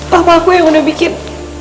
papa aku yang udah bikin